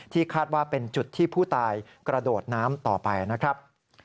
คาดว่าเป็นจุดที่ผู้ตายกระโดดน้ำต่อไปนะครับ